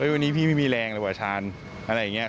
วันนี้พี่ไม่มีแรงเลยว่ะชาญอะไรอย่างนี้